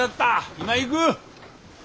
今行く！